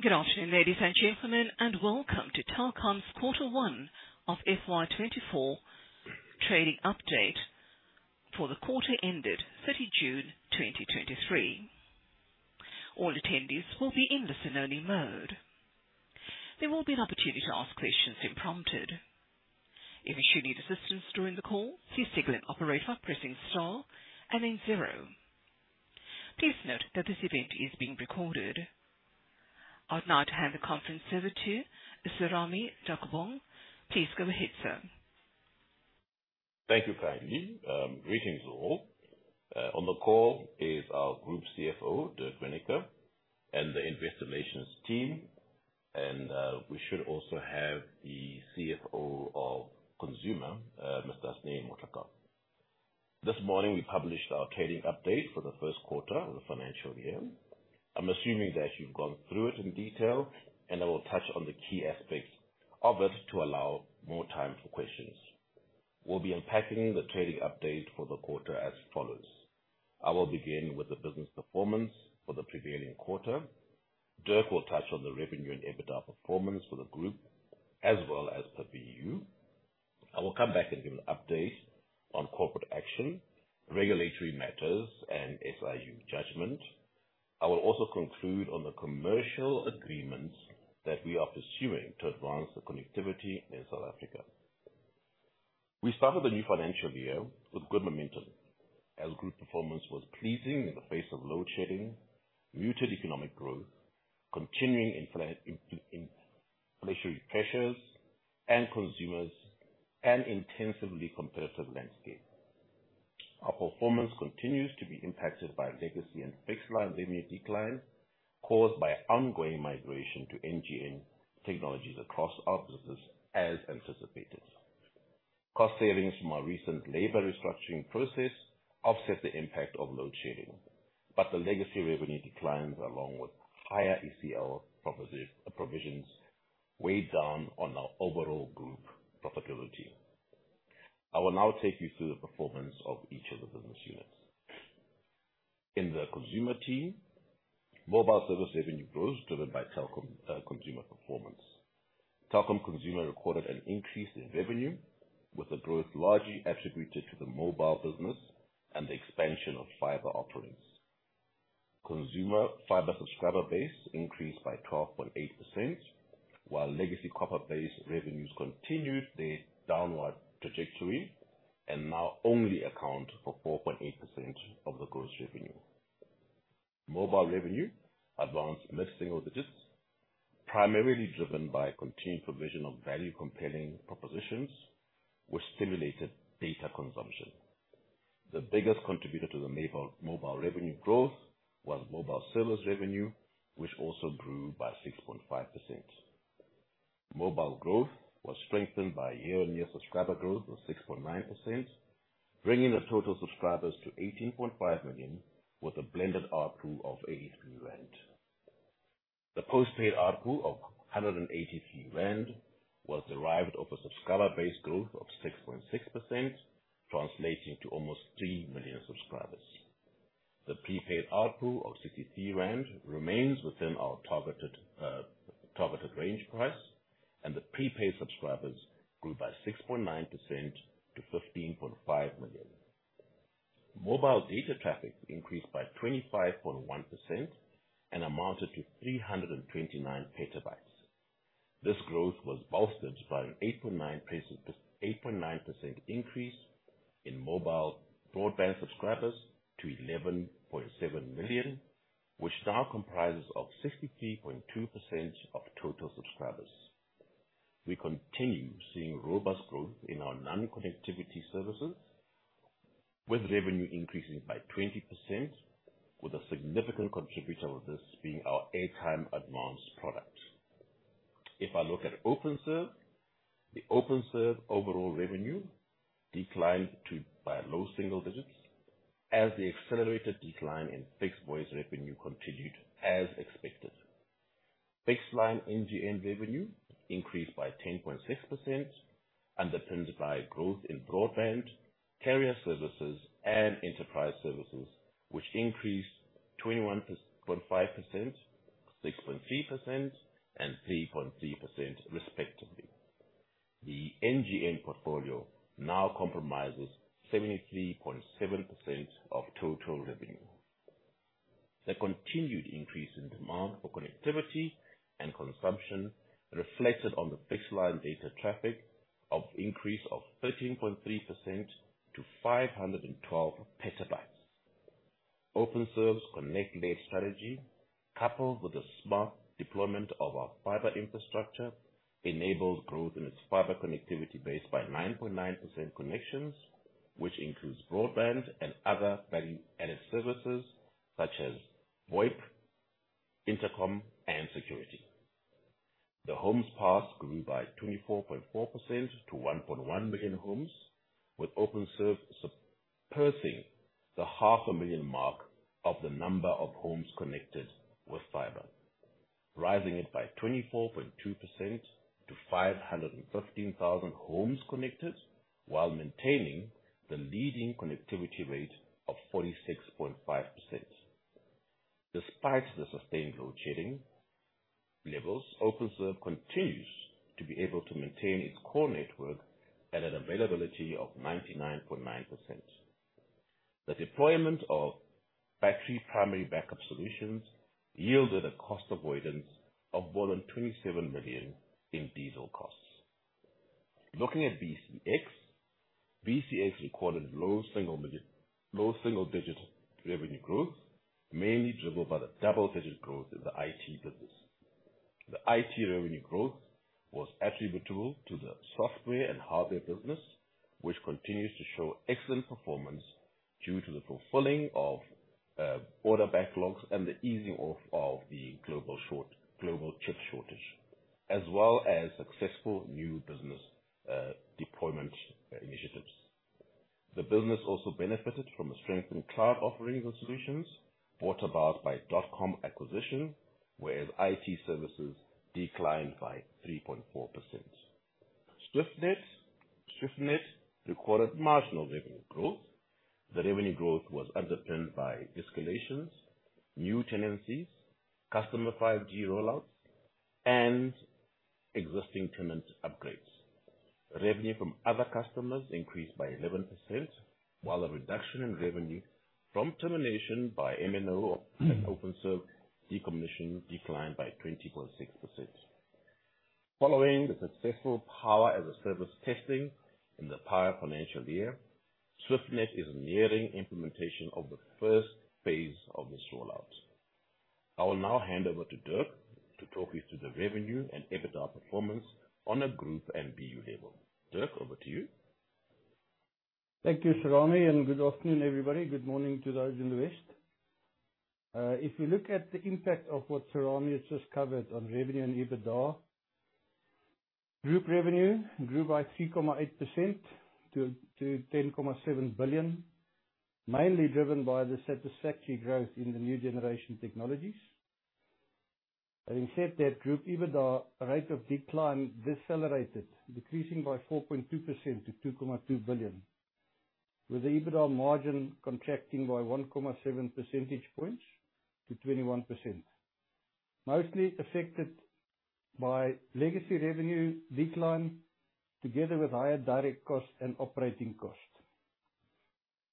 Good afternoon, ladies and gentlemen, welcome to Telkom's Quarter One of FY 2024 trading update for the quarter ended 30 June, 2023. All attendees will be in listen-only mode. There will be an opportunity to ask questions if prompted. If you should need assistance during the call, please signal an operator by pressing star zero. Please note that this event is being recorded. I'd now hand the conference over to Serame Taukobong. Please go ahead, sir. Thank you kindly. Greetings all. On the call is our Group CFO, Dirk Reyneke, and the investor relations team. We should also have the CFO of Consumer, Mr. Hasnain Motlekar. This morning, we published our trading update for the first quarter of the financial year. I'm assuming that you've gone through it in detail. I will touch on the key aspects of it to allow more time for questions. We'll be unpacking the trading update for the quarter as follows: I will begin with the business performance for the prevailing quarter. Dirk will touch on the revenue and EBITDA performance for the group, as well as per BU. I will come back and give an update on corporate action, regulatory matters, and SIU judgment. I will also conclude on the commercial agreements that we are pursuing to advance the connectivity in South Africa. We started the new financial year with good momentum, as group performance was pleasing in the face of load shedding, muted economic growth, continuing inflationary pressures, and consumers, and intensively competitive landscape. Our performance continues to be impacted by legacy and fixed line revenue decline, caused by ongoing migration to NGN technologies across our business, as anticipated. Cost savings from our recent labor restructuring process offset the impact of load shedding, but the legacy revenue declines, along with higher ECL provisions, weighed down on our overall group profitability. I will now take you through the performance of each of the business units. In the consumer team, mobile service revenue growth was driven by Telkom Consumer performance. Telkom Consumer recorded an increase in revenue, with the growth largely attributed to the mobile business and the expansion of fiber offerings. Consumer fiber subscriber base increased by 12.8%, while legacy copper-based revenues continued their downward trajectory and now only account for 4.8% of the gross revenue. Mobile revenue advanced mid-single digits, primarily driven by continued provision of value-compelling propositions, which stimulated data consumption. The biggest contributor to the mobile revenue growth was mobile service revenue, which also grew by 6.5%. Mobile growth was strengthened by year-on-year subscriber growth of 6.9%, bringing the total subscribers to 18.5 million, with a blended ARPU of 83 rand. The post-paid ARPU of 183 rand was derived off a subscriber base growth of 6.6%, translating to almost 3 million subscribers. The prepaid ARPU of ZAR 63 remains within our targeted, targeted range price, and the prepaid subscribers grew by 6.9% to 15.5 million. Mobile data traffic increased by 25.1% and amounted to 329 petabytes. This growth was bolstered by an 8.9% increase in mobile broadband subscribers to 11.7 million, which now comprises of 63.2% of total subscribers. We continue seeing robust growth in our non-connectivity services, with revenue increasing by 20%, with a significant contributor of this being our airtime advance product. If I look at Openserve, the Openserve overall revenue declined to, by low single digits, as the accelerated decline in fixed voice revenue continued as expected. Fixed line NGN revenue increased by 10.6%, underpinned by growth in broadband, carrier services, and enterprise services, which increased 21.5%, 6.3%, and 3.3% respectively. The NGN portfolio now comprises 73.7% of total revenue. The continued increase in demand for connectivity and consumption reflected on the fixed line data traffic of increase of 13.3% to 512 petabytes. Openserve's connect-led strategy, coupled with the smart deployment of our fibre infrastructure, enabled growth in its fibre connectivity base by 9.9% connections, which includes broadband and other value-added services such as VoIP, intercom, and security. The homes passed grew by 24.4% to 1.1 million homes, with Openserve surpassing the 500,000 mark of the number of homes connected with fiber, rising it by 24.2%. 515,000 homes connected, while maintaining the leading connectivity rate of 46.5%. Despite the sustained load shedding levels, Openserve continues to be able to maintain its core network at an availability of 99.9%. The deployment of battery primary backup solutions yielded a cost avoidance of more than 27 million in diesel costs. Looking at BCX, BCX recorded low single digit revenue growth, mainly driven by the double-digit growth in the IT business. The IT revenue growth was attributable to the software and hardware business, which continues to show excellent performance due to the fulfilling of order backlogs and the easing off of the global chip shortage, as well as successful new business deployment initiatives. The business also benefited from a strengthened cloud offerings and solutions brought about by DotCom acquisition, whereas IT services declined by 3.4%. Swiftnet, Swiftnet recorded marginal revenue growth. The revenue growth was underpinned by escalations, new tenancies, customer 5G rollouts, and existing tenant upgrades. Revenue from other customers increased by 11%, while a reduction in revenue from termination by MNO and Openserve decommission declined by 20.6%. Following the successful Power-as-a-Service testing in the prior financial year, Swiftnet is nearing implementation of the first phase of this rollout. I will now hand over to Dirk to talk you through the revenue and EBITDA performance on a group and BU level. Dirk, over to you. Thank you, Serame, and good afternoon, everybody. Good morning to those in the west. If you look at the impact of what Serame has just covered on revenue and EBITDA, group revenue grew by 3.8% to 10.7 billion, mainly driven by the satisfactory growth in the new generation technologies. Having said that, group EBITDA rate of decline decelerated, decreasing by 4.2% to 2.2 billion, with the EBITDA margin contracting by 1.7 percentage points to 21%. Mostly affected by legacy revenue decline, together with higher direct costs and operating costs.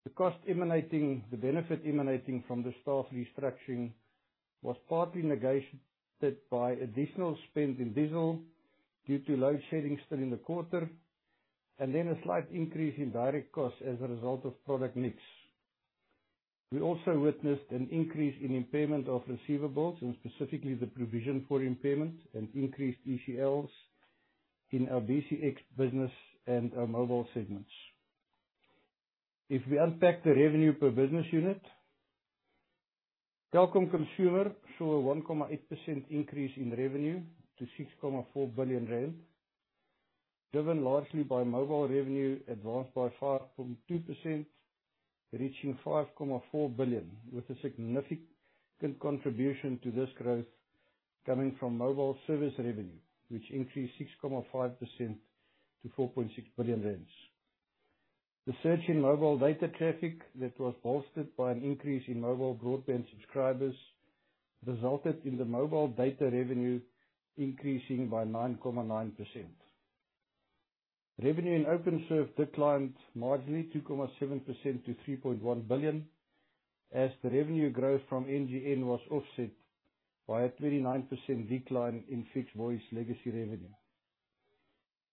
The benefit emanating from the staff restructuring was partly negated by additional spend in diesel due to load shedding still in the quarter, and then a slight increase in direct costs as a result of product mix. We also witnessed an increase in impairment of receivables, specifically the provision for impairment, increased ECLs in our BCX business and our mobile segments. If we unpack the revenue per business unit, Telkom Consumer saw a 1.8% increase in revenue to 6.4 billion rand, driven largely by mobile revenue advanced by 5.2%, reaching 5.4 billion, with a significant contribution to this growth coming from mobile service revenue, which increased 6.5% to 4.6 billion rand. The surge in mobile data traffic that was bolstered by an increase in mobile broadband subscribers, resulted in the mobile data revenue increasing by 9.9%. Revenue in Openserve declined marginally, 2.7% to 3.1 billion, as the revenue growth from NGN was offset by a 29% decline in fixed voice legacy revenue.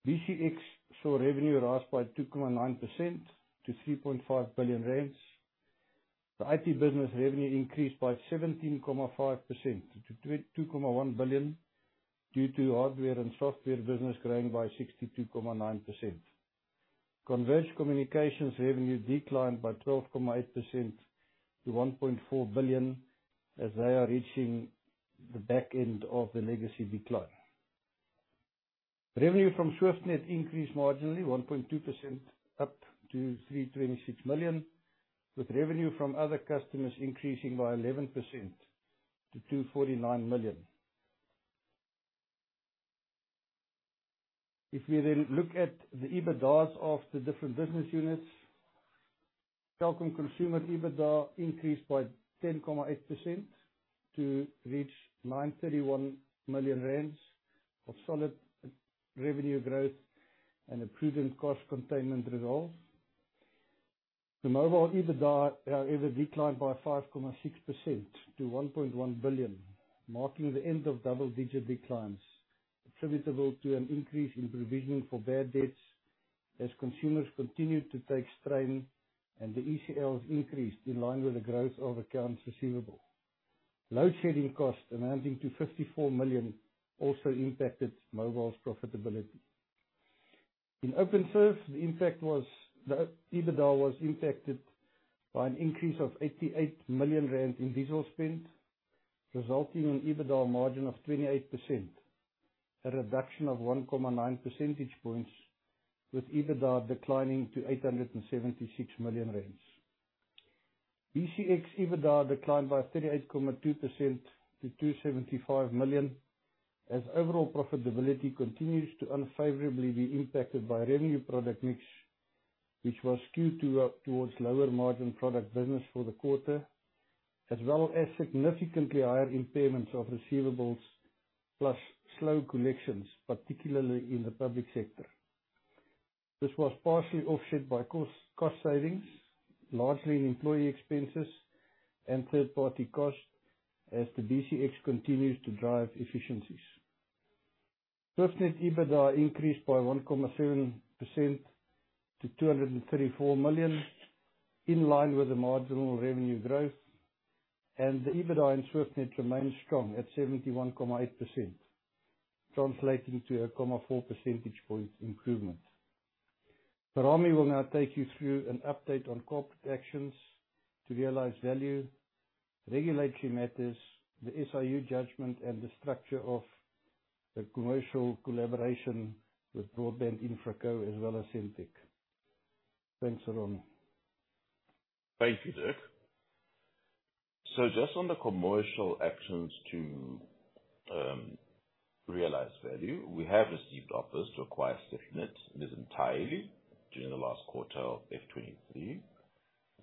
BCX saw revenue rise by 2.9% to 3.5 billion rand. The IT business revenue increased by 17.5% to 2.1 billion, due to hardware and software business growing by 62.9%. Converged Communications revenue declined by 12.8% to 1.4 billion, as they are reaching the back end of the legacy decline. Revenue from Swiftnet increased marginally, 1.2% up to 326 million, with revenue from other customers increasing by 11% to 249 million. If we then look at the EBITDAs of the different business units, Telkom Consumer EBITDA increased by 10.8% to reach 931 million rand of solid revenue growth and a prudent cost containment result. The mobile EBITDA, however, declined by 5.6% to 1.1 billion, marking the end of double-digit declines, attributable to an increase in provisioning for bad debts as consumers continued to take strain, and the ECLs increased in line with the growth of accounts receivable. Load shedding costs amounting to 54 million also impacted mobile's profitability. In Openserve, the EBITDA was impacted by an increase of 88 million rand in diesel spend, resulting in EBITDA margin of 28%, a reduction of 1.9 percentage points, with EBITDA declining to 876 million rand. BCX EBITDA declined by 38.2% to 275 million, as overall profitability continues to unfavorably be impacted by revenue product mix, which was skewed towards lower margin product business for the quarter, as well as significantly higher impairments of receivables, plus slow collections, particularly in the public sector. This was partially offset by cost savings, largely employee expenses and third-party costs, as the BCX continues to drive efficiencies. Swiftnet EBITDA increased by 1.7% to 234 million, in line with the marginal revenue growth, and the EBITDA and Swiftnet remains strong at 71.8%, translating to a 0.4 percentage point improvement. Serame will now take you through an update on corporate actions to realize value, regulatory matters, the SIU judgment, and the structure of the commercial collaboration with Broadband Infraco, as well as Sentech. Thanks, Serame. Thank you, Dirk. Just on the commercial actions to realize value, we have received offers to acquire Swiftnet and is entirely during the last quarter of FY 2023.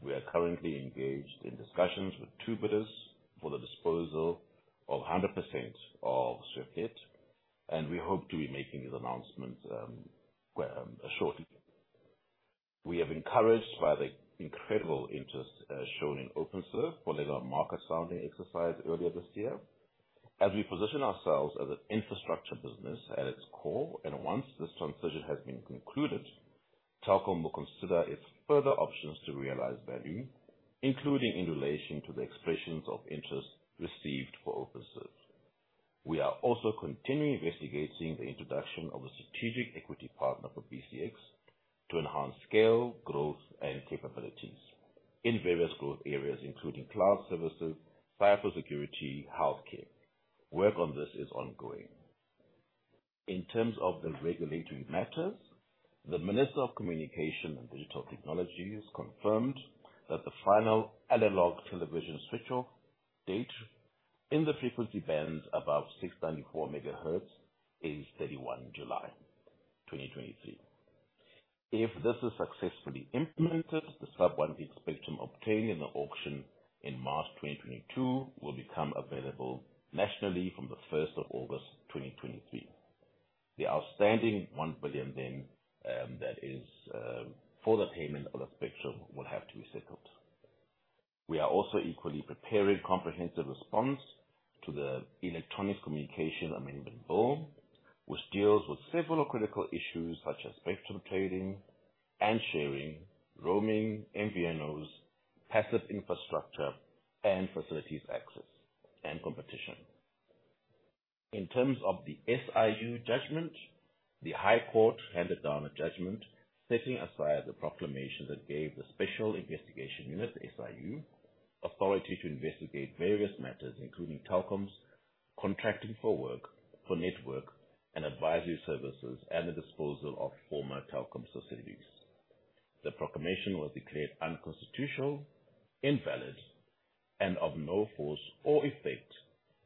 We are currently engaged in discussions with two bidders for the disposal of 100% of Swiftnet, we hope to be making this announcement, well, shortly. We have encouraged by the incredible interest shown in Openserve for our market sounding exercise earlier this year. As we position ourselves as an infrastructure business at its core, once this transition has been concluded, Telkom will consider its further options to realize value, including in relation to the expressions of interest received for Openserve. We are also continuing investigating the introduction of a strategic equity partner for BCX, to enhance scale, growth, and capabilities in various growth areas, including cloud services, cybersecurity, healthcare. Work on this is ongoing. In terms of the regulatory matters, the Minister of Communications and Digital Technologies confirmed that the final analog television switch-off date in the frequency bands above 694MHz is 31 July, 2023. If this is successfully implemented, the sub-1 GHz spectrum obtained in the auction in March 2022 will become available nationally from the 1st of August, 2023. The outstanding 1 billion then, that is, for the payment of the spectrum will have to be settled. We are also equally preparing comprehensive response to the Electronic Communication Amendment Bill, which deals with several critical issues such as spectrum trading and sharing, roaming, MVNOs, passive infrastructure, and facilities access and competition. In terms of the SIU judgment, the High Court handed down a judgment setting aside the proclamation that gave the Special Investigating Unit, SIU, authority to investigate various matters, including Telkom's contracting for work, for network and advisory services, and the disposal of former Telkom facilities. The proclamation was declared unconstitutional, invalid, and of no force or effect,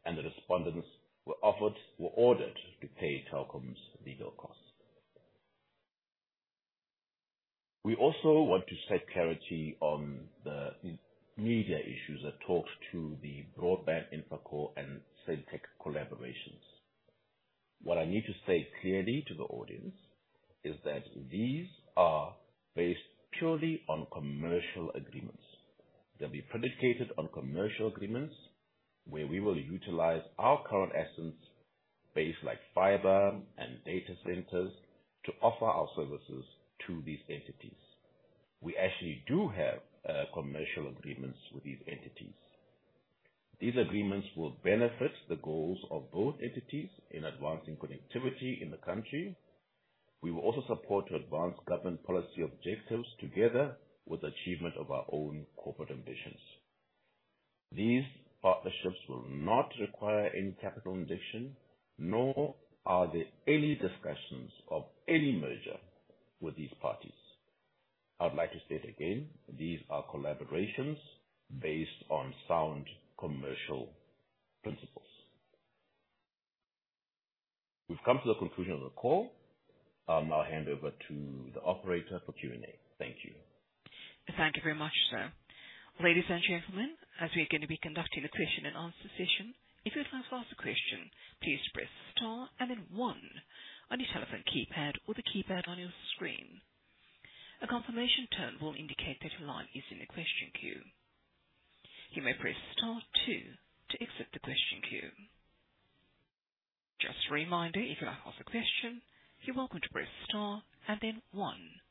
and the respondents were ordered to pay Telkom's legal costs. We also want to set clarity on the media issues that talks to the Broadband Infraco and Sentech collaborations. What I need to say clearly to the audience is that these are based purely on commercial agreements. They'll be predicated on commercial agreements, where we will utilize our current assets base, like fiber and data centers, to offer our services to these entities. We actually do have commercial agreements with these entities. These agreements will benefit the goals of both entities in advancing connectivity in the country. We will also support to advance government policy objectives, together with achievement of our own corporate ambitions. These partnerships will not require any capital injection, nor are there any discussions of any merger with these parties. I'd like to state again, these are collaborations based on sound commercial principles. We've come to the conclusion of the call. I'll now hand over to the operator for Q&A. Thank you. Thank you very much, sir. Ladies and gentlemen, as we are going to be conducting a question and answer session, if you'd like to ask a question, please press star and then one on your telephone keypad or the keypad on your screen. A confirmation tone will indicate that your line is in the question queue. You may press star two to exit the question queue. Just a reminder, if you'd like to ask a question, you're welcome to press star and then one.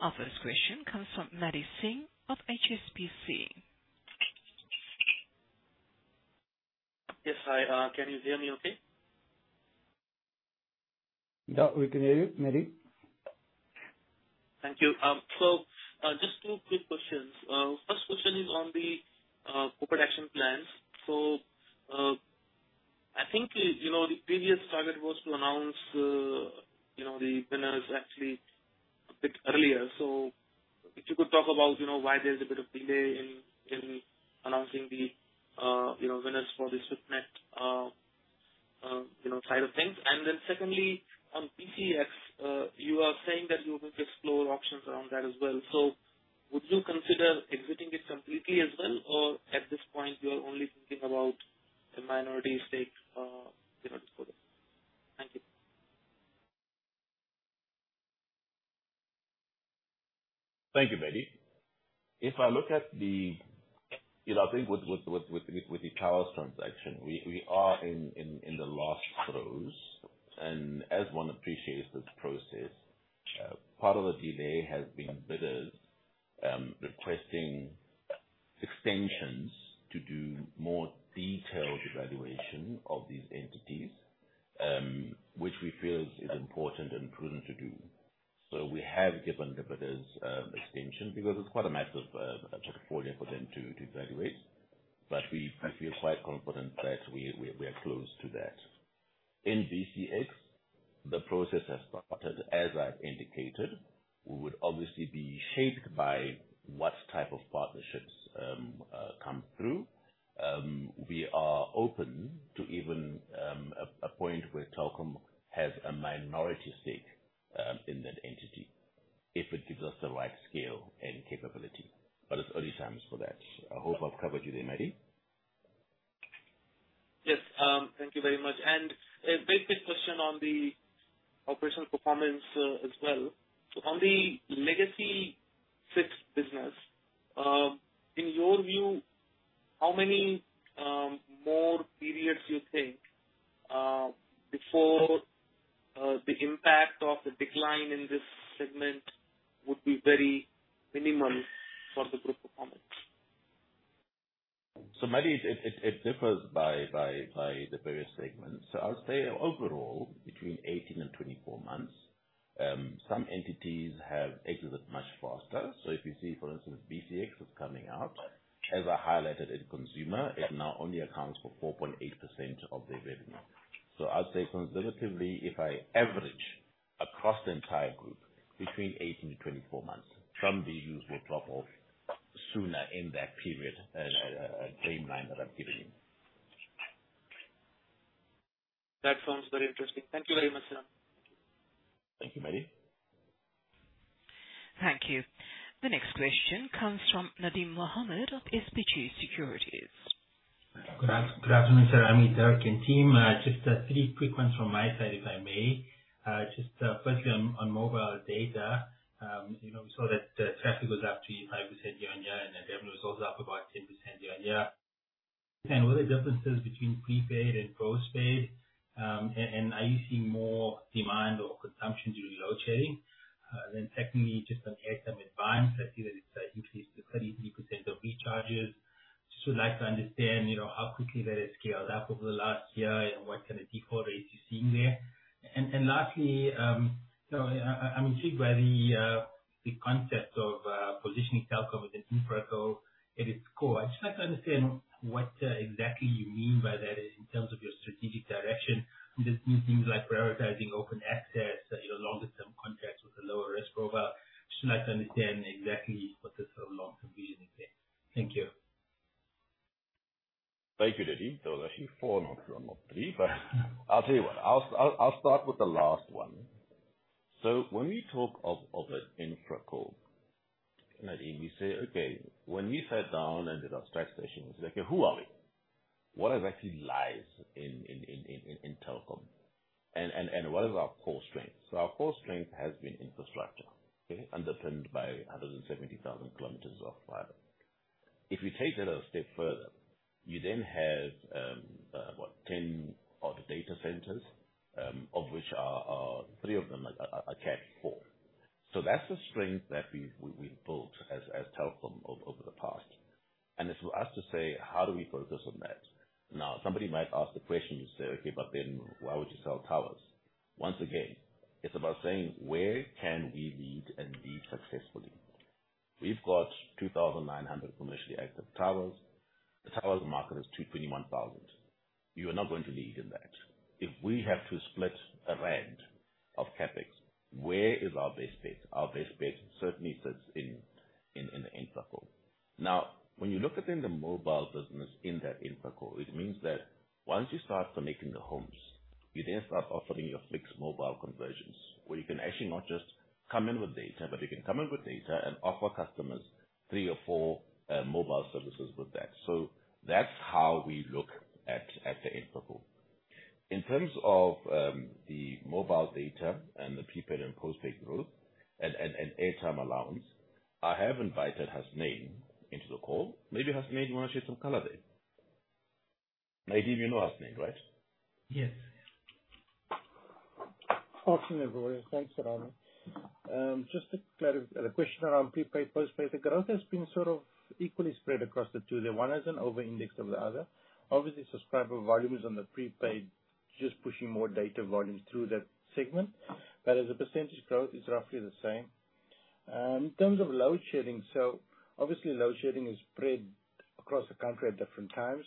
Our first question comes from Madi Singh of HSBC. Yes. Hi, can you hear me okay? Yeah, we can hear you, Madi. Thank you. Just two quick questions. First question is on the corporate action plans. I think, you know, the previous target was to announce, you know, the winners actually a bit earlier. If you could talk about, you know, why there's a bit of delay in announcing the, you know, winners for the fixed network, you know, side of things. Secondly, on BCX, you are saying that you're going to explore options around that as well. Would you consider exiting it completely as well, or at this point you are only thinking about a minority stake, you know, for that? Thank you. Thank you, Madi. You know, I think with the towers transaction, we are in the last throes. As one appreciates this process, part of the delay has been bidders requesting extensions to do more detailed evaluation of these entities, which we feel is important and prudent to do. We have given the bidders extension because it's quite a massive portfolio for them to evaluate. We, I feel quite confident that we are close to that. In BCX, the process has started, as I've indicated. We would obviously be shaped by what type of partnerships come through. We are open to even a point where Telkom has a minority stake in that entity, if it gives us the right scale and capability, but it's early times for that. I hope I've covered you there, Madi. Yes. Thank you very much. A very quick question on the operational performance as well. On the legacy fixed business, in your view, how many more periods do you think before the impact of the decline in this segment would be very minimal for the group performance? Madi, it differs by the various segments. I'll say overall, between 18 and 24 months. Some entities have exited much faster. If you see, for instance, BCX is coming out. As I highlighted in consumer, it now only accounts for 4.8% of the revenue. I'd say conservatively, if I average across the entire group, between 18 to 24 months, some BUs will drop off sooner in that period, timeline that I've given you. That sounds very interesting. Thank you very much, sir. Thank you, Madi. Thank you. The next question comes from Nadim Mohamed of SBG Securities. Good afternoon, Serame and team. Just three quick ones from my side, if I may. Firstly on mobile data. You know, we saw that traffic was up 35% year-on-year, revenue was also up about 10% year-on-year. What are the differences between prepaid and postpaid? Are you seeing more demand or consumption due to load shedding? Secondly, just on airtime advance, I see that it's increased to 33% of recharges. Just would like to understand, you know, how quickly that has scaled up over the last year and what kind of default rates you're seeing there. Lastly, I'm intrigued by the concept of positioning Telkom as an InfraCo at its core. I'd just like to understand what exactly you mean by that in terms of your strategic direction. Does this mean things like prioritizing open access, you know, longer term contracts with a lower risk profile? Just like to understand exactly what the sort of long-term view is there. Thank you. Thank you, Nadim. That was actually four, not three. I'll tell you what, I'll start with the last one. When we talk of an InfraCo, Nadim, you say, okay, when we sat down and did our strategy session, we said, "Okay, who are we? What exactly lies in Telkom, and what is our core strength?" Our core strength has been infrastructure, okay? Underpinned by 170,000 km of fiber. If you take that a step further, you then have, what, 10 other data centers, of which thre of them are Tier 4. That's the strength that we've built as Telkom over the past. It's for us to say: How do we focus on that? Somebody might ask the question and say, "Okay, but then why would you sell towers?" Once again, it's about saying: Where can we lead and lead successfully? We've got 2,900 commercially active towers. The towers market is 221,000. You are not going to lead in that. If we have to split ZAR 1 of CapEx, where is our best bet? Our best bet certainly sits in the InfraCo. When you look at in the mobile business, in that InfraCo, it means that once you start connecting the homes, you then start offering your fixed mobile conversions, where you can actually not just come in with data, but you can come in with data and offer customers three of four mobile services with that. That's how we look at, at the InfraCo. In terms of, the mobile data and the prepaid and postpaid growth and, and, and airtime allowance, I have invited Hasnain into the call. Maybe, Hasnain, you want to shed some color there? Nadim, you know Hasnain, right? Yes. Afternoon, everyone. Thanks, Nadim. Just to clarify the question around prepaid, postpaid, the growth has been sort of equally spread across the two. The one hasn't overindexed over the other. Obviously, subscriber volume is on the prepaid, just pushing more data volume through that segment. As a percentage growth, it's roughly the same. In terms of load shedding, obviously load shedding is spread across the country at different times.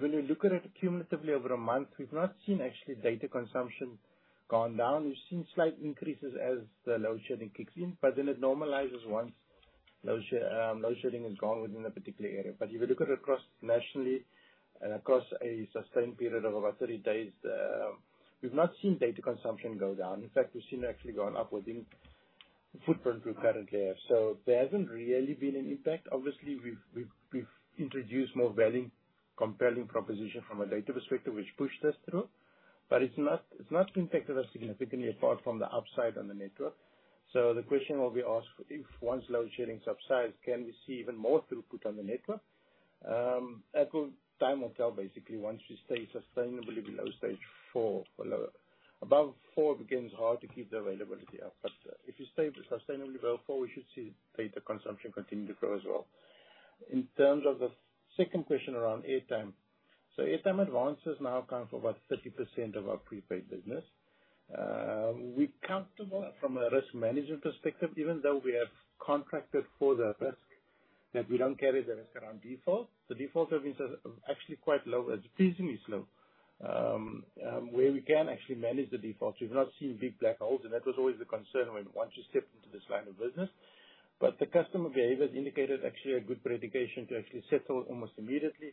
When you look at it cumulatively over a month, we've not seen actually data consumption gone down. We've seen slight increases as the load shedding kicks in, but then it normalizes once load shed, load shedding is gone within a particular area. If you look at it across nationally and across a sustained period of about 30 days, we've not seen data consumption go down. In fact, we've seen it actually gone up within the footprint we currently have. There hasn't really been an impact. Obviously, we've introduced more value, compelling proposition from a data perspective, which pushed us through, but it's not, it's not impacted us significantly apart from the upside on the network. The question will be asked, if once load shedding subsides, can we see even more throughput on the network? Echo, time will tell, basically, once we stay sustainably below stage four or lower. Above four, it becomes hard to keep the availability up, but if you stay sustainably below four, we should see data consumption continue to grow as well. In terms of the second question around airtime: Airtime advances now account for about 30% of our prepaid business. We are comfortable from a risk management perspective, even though we have contracted for the risk, that we do not carry the risk around default. The default service is actually quite low, it is reasonably slow. Where we can actually manage the default, we have not seen big black holes, and that was always the concern when once you step into this line of business. The customer behaviors indicated actually a good predication to actually settle almost immediately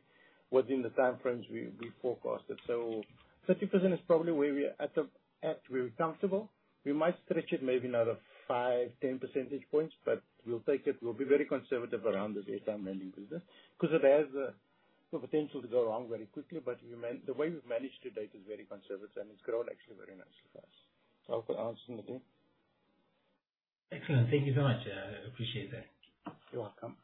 within the time frames we, we forecasted. Thirty percent is probably where we are at, we are comfortable. We might stretch it maybe another five-10 percentage points, but we will take it. We will be very conservative around this airtime lending business, because it has the potential to go wrong very quickly. We the way we've managed to date is very conservative, and it's grown actually very nicely for us. I hope I answered, Nadim. Excellent. Thank you so much. I appreciate that. You're welcome.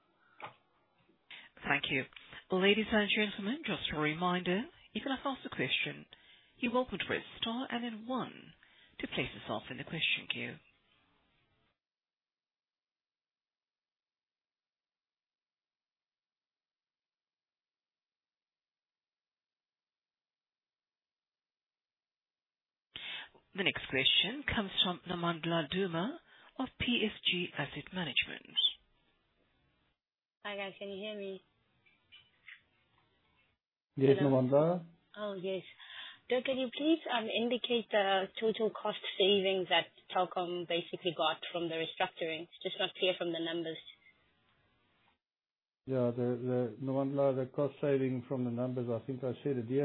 Thank you. Ladies and gentlemen, just a reminder, if you'd like to ask a question, you will put a star and then one to place yourself in the question queue. The next question comes from Nomandla Duma of PSG Asset Management. Hi, guys. Can you hear me? You good, Nomandla? Oh, yes. Can you please indicate the total cost savings that Telkom basically got from the restructuring? It's just not clear from the numbers. Yeah, the, the, Nomandla, the cost saving from the numbers, I think I said at the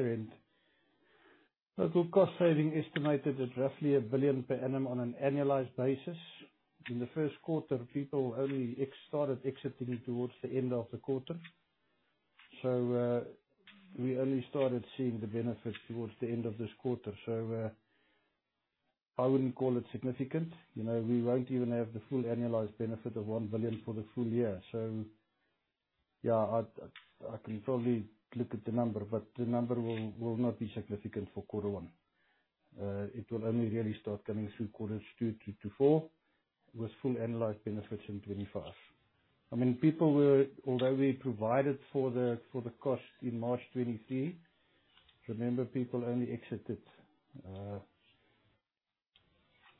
year end. The group cost saving estimated at roughly 1 billion per annum on an annualized basis. In the first quarter, people only started exiting towards the end of the quarter. We only started seeing the benefits towards the end of this quarter. I wouldn't call it significant. You know, we won't even have the full annualized benefit of 1 billion for the full year. Yeah, I can probably look at the number, but the number will, will not be significant for quarter one. It will only really start coming through quarters two through to four, with full annualized benefits in 2025. I mean, people were... Although we provided for the cost in March 2023, remember, people only exited,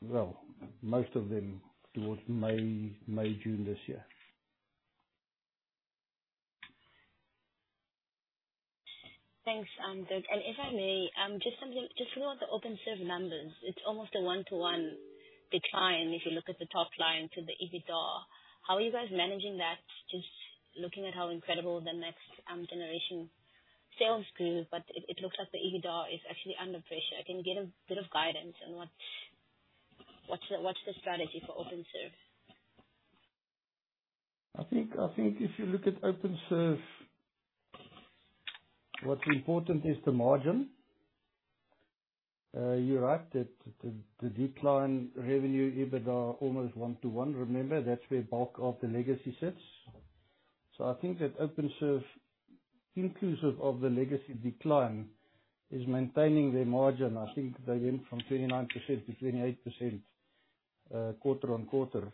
well, most of them towards May, June this year. Thanks, Dirk. If I may, just something, just look at the Openserve numbers. It's almost a one-to-one decline if you look at the top line to the EBITDA. How are you guys managing that? Just looking at how incredible the next generation sales grew, but it, it looks like the EBITDA is actually under pressure. Can you give a bit of guidance on what's, what's the, what's the strategy for Openserve? I think if you look at Openserve, what's important is the margin. You're right that the, the decline revenue, EBITDA, almost one to one. Remember, that's where bulk of the legacy sits. I think that Openserve, inclusive of the legacy decline, is maintaining their margin. I think they went from 29% to 28%, quarter-on-quarter.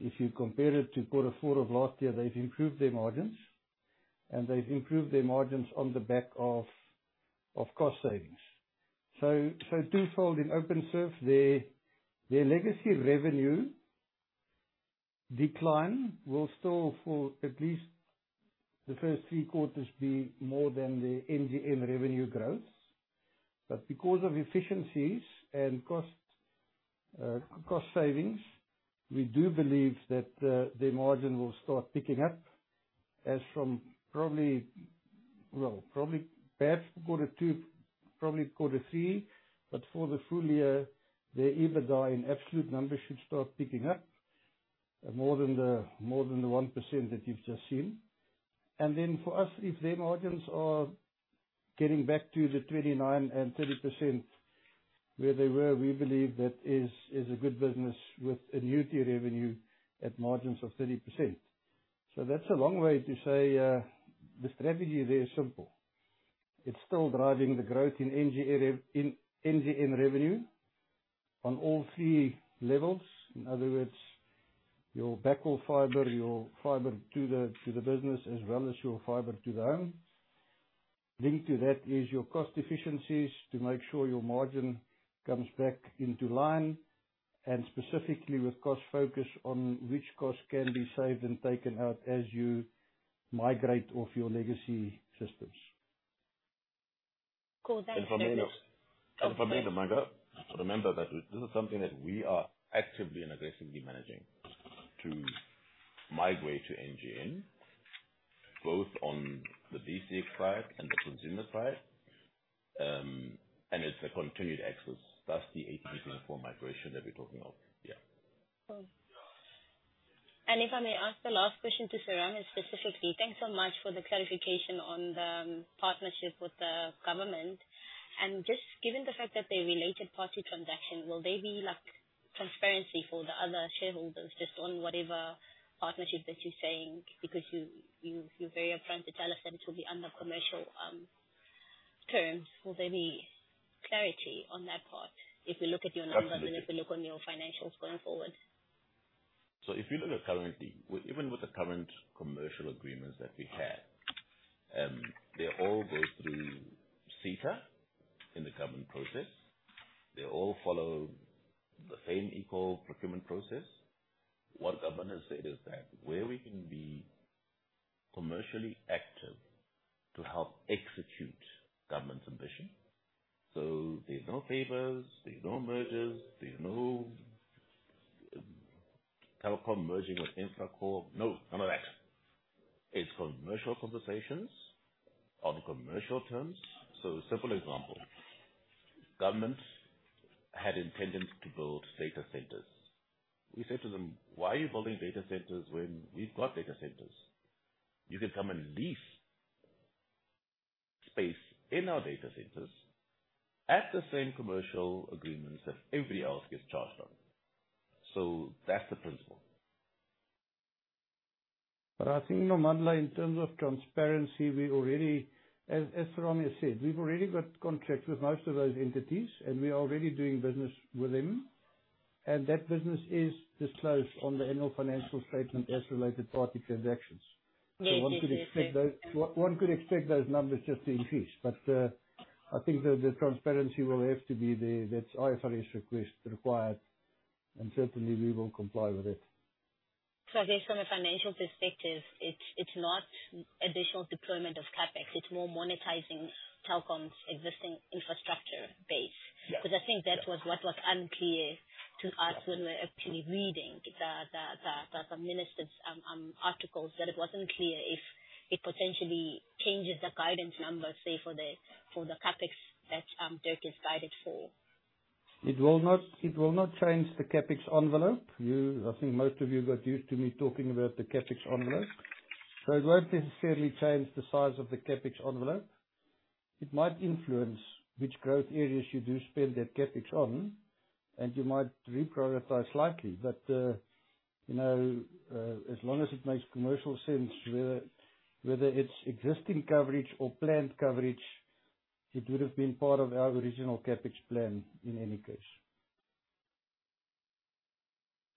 If you compare it to Q4 of last year, they've improved their margins, and they've improved their margins on the back of, of cost savings. Twofold, in Openserve, their, their legacy revenue decline will still, for at least the first 3 quarters, be more than the NGN revenue growth. Because of efficiencies and cost, cost savings, we do believe that their margin will start picking up as from probably, perhaps Q2, probably Q3. For the full year, their EBITDA in absolute numbers should start picking up, more than the, more than the 1% that you've just seen. For us, if their margins are getting back to the 29% and 30% where they were, we believe that is, is a good business with annuity revenue at margins of 30%. That's a long way to say, the strategy there is simple. It's still driving the growth in NGN revenue on all thee levels. In other words, your backhaul fiber, your fiber to the, to the business, as well as your fiber to the home. Linked to that is your cost efficiencies to make sure your margin comes back into line, and specifically with cost focus on which costs can be saved and taken out as you migrate off your legacy systems. Cool, thanks. If I may know, and if I may, Nomanda, remember that this is something that we are actively and aggressively managing, to migrate to NGN, both on the BCX side and the consumer side. It's a continued access, thus the 18.4 migration that we're talking of. If I may ask the last question to Serame, and specifically, thanks so much for the clarification on the partnership with the government. Just given the fact that they're a related party transaction, will there be, like, transparency for the other shareholders, just on whatever partnership that you're saying? Because you, you, you're very upfront to tell us that it will be under commercial terms. Will there be clarity on that part if we look at your numbers? Absolutely. If we look on your financials going forward? If you look at currently, even with the current commercial agreements that we have, they all go through SITA in the government process. They all follow the same equal procurement process. What government has said is that, where we can be commercially active to help execute government's ambition, so there's no favors, there's no mergers, there's no Telkom merging with InfraCo. No, none of that. It's commercial conversations on commercial terms. Simple example, government had intended to build data centers. We said to them: "Why are you building data centers when we've got data centers? You can come and lease space in our data centers at the same commercial agreements that everybody else gets charged on." That's the principle. I think, Nomanda, in terms of transparency, we already. As Serame has said, we've already got contracts with most of those entities, and we are already doing business with them, and that business is disclosed on the annual financial statement as related party transactions. Yeah. Yes, yes, yes. One could expect those, one could expect those numbers just to increase. I think the, the transparency will have to be there. That's IFRS request required, and certainly we will comply with it. I guess from a financial perspective, it's not additional deployment of CapEx, it's more monetizing Telkom's existing infrastructure base. Yeah. 'Cause I think that was what was unclear to us. Yeah When we were actually reading the Minister's articles, that it wasn't clear if it potentially changes the guidance numbers, say, for the CapEx that Dirk has guided for. It will not change the CapEx envelope. You, I think most of you got used to me talking about the CapEx envelope. It won't necessarily change the size of the CapEx envelope. It might influence which growth areas you do spend that CapEx on, and you might reprioritize slightly. You know, as long as it makes commercial sense, whether, whether it's existing coverage or planned coverage, it would've been part of our original CapEx plan in any case.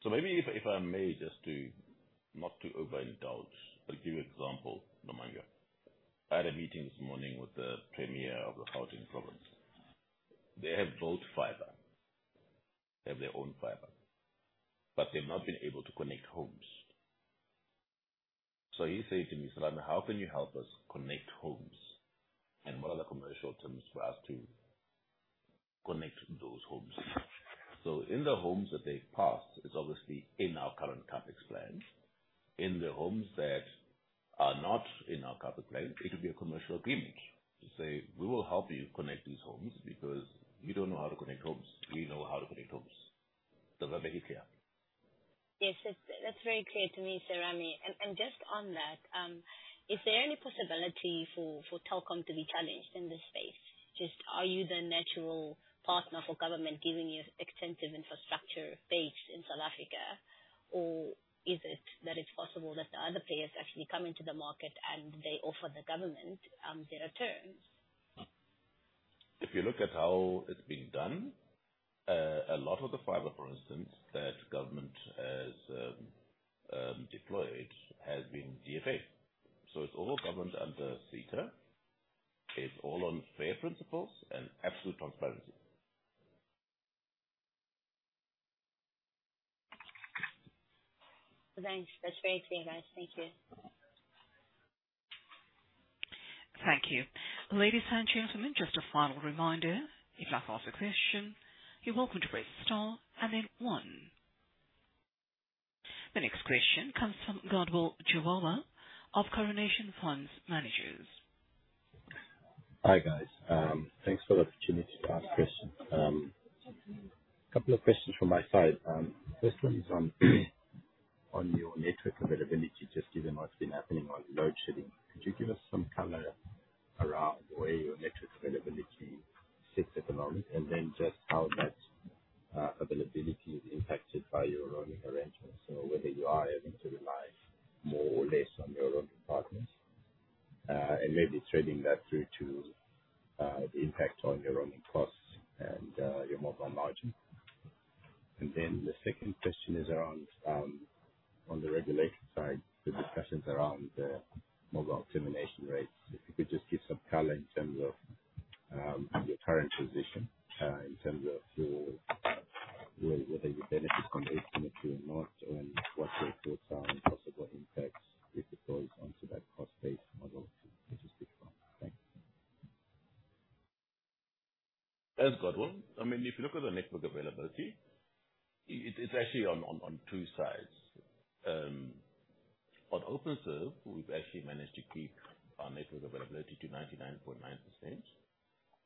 Maybe if, if I may, just to, not to overindulge, but give you an example, Nomanda, I had a meeting this morning with the Premier of the Gauteng province. They have built fiber. They have their own fiber, but they've not been able to connect homes. He said to me, he said: "How can you help us connect homes, and what are the commercial terms for us to connect those homes?" In the homes that they've passed, it's obviously in our current CapEx plans. In the homes that are not in our CapEx plans, it will be a commercial agreement to say: "We will help you connect these homes because you don't know how to connect homes. We know how to connect homes." Does that make it clear? Yes, that's, that's very clear to me, Serame. Just on that, is there any possibility for Telkom to be challenged in this space? Just, are you the natural partner for government, given your extensive infrastructure base in South Africa, or is it that it's possible that the other players actually come into the market, and they offer the government, their terms? If you look at how it's being done, a lot of the fiber, for instance, that government has deployed has been DFA. It's all government under SITA. It's all on fair principles and absolute transparency. Thanks. That's very clear, guys. Thank you. Thank you. Ladies and gentlemen, just a final reminder, if you'd like to ask a question, you're welcome to press star and then one. The next question comes from Godwill Chahwahwa of Coronation Fund Managers. Hi, guys. Thanks for the opportunity to ask questions. Couple of questions from my side. First one is on, on your network availability, just given what's been happening on load shedding. Could you give us some color around where your network availability sits at the moment, and then just how that availability is impacted by your roaming arrangements? So whether you are having to rely more or less on your roaming partners, and maybe threading that through to the impact on your roaming costs and your mobile margin. Then the second question is around on the regulation side, the discussions around the mobile termination rates. If you could just give some color in terms of your current position, in terms of your, whether you benefit from asymmetry or not, and what your thoughts are on possible impacts if it goes onto that cost-based model, that would be great. Thank you. Thanks, Godwill. I mean, if you look at the network availability, it, it's actually on two sides. On Openserve, we've actually managed to keep our network availability to 99.9%,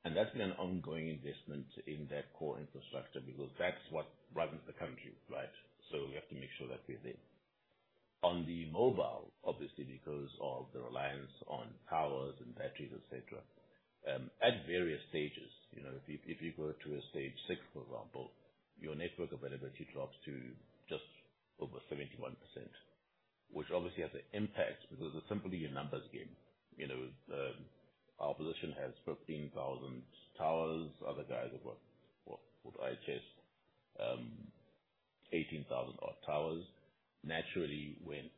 that's been an ongoing investment in that core infrastructure, because that's what runs the country, right? We have to make sure that we're there. On the mobile, obviously, because of the reliance on towers and batteries, et cetera, at various stages, you know, if you, if you go to a stage six, for example, your network availability drops to just over 71%, which obviously has an impact because it's simply a numbers game. You know, the, our position has 15,000 towers. Other guys have got, what, would I suggest, 18,000 odd towers. Naturally, when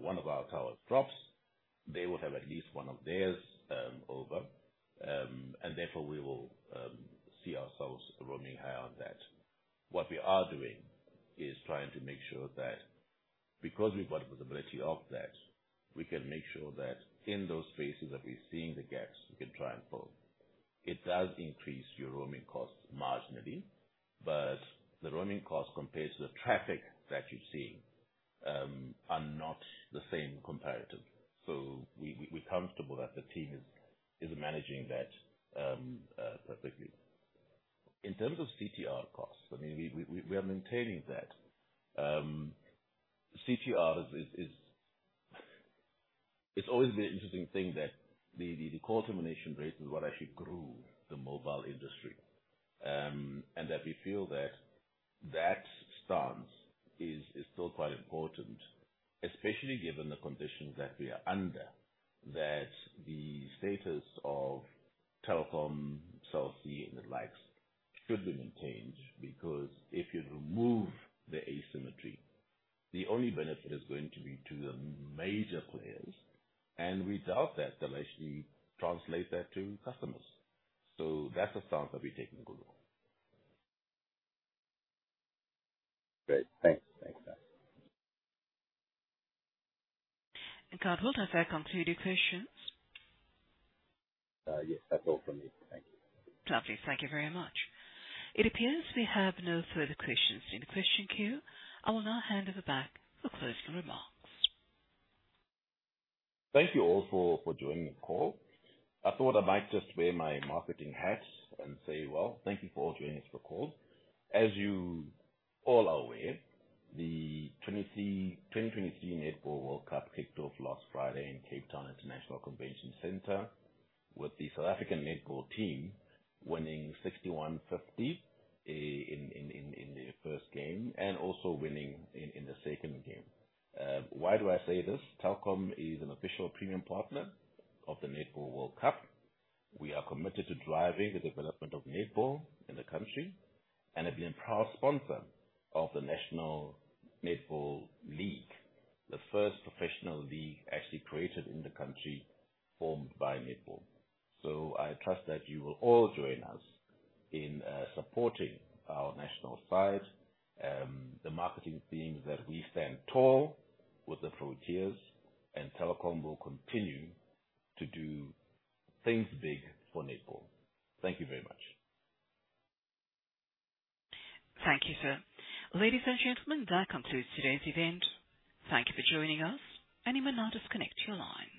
one of our towers drops, they will have at least one of theirs, over. Therefore, we will see ourselves roaming higher on that. What we are doing is trying to make sure that because we've got the ability of that, we can make sure that in those spaces that we're seeing the gaps, we can try and pull. It does increase your roaming costs marginally, but the roaming cost compared to the traffic that you're seeing, are not the same comparative. We're comfortable that the team is managing that perfectly. In terms of CTR costs, I mean, we, we, we are maintaining that. CTR is, it's always the interesting thing that the, the, the call termination rates is what actually grew the mobile industry. That we feel that that stance is, is still quite important, especially given the conditions that we are under, that the status of Telkom, Cell C, and the likes should be maintained. If you remove the asymmetry, the only benefit is going to be to the major players, and we doubt that they'll actually translate that to customers. That's the stance that we're taking, Godwill. Great. Thanks. Thanks, sir. Godwill, does that conclude your questions? Yes, that's all from me. Thank you. Lovely. Thank you very much. It appears we have no further questions in the question queue. I will now hand over back for closing remarks. Thank you all for, for joining the call. I thought I'd might just wear my marketing hat and say, well, thank you for all joining us for the call. As you all are aware, the 2023 Netball World Cup kicked off last Friday in Cape Town International Convention Center, with the South African Netball team winning 61-50 in the first game, and also winning in the second game. Why do I say this? Telkom is an official premium partner of the Netball World Cup. We are committed to driving the development of netball in the country and have been a proud sponsor of the National Netball League, the first professional league actually created in the country, formed by netball. I trust that you will all join us in supporting our national side, the marketing theme that, "We stand tall with the Frontiers," and Telkom will continue to do things big for netball. Thank you very much. Thank you, sir. Ladies and gentlemen, that concludes today's event. Thank you for joining us. You may now disconnect your line.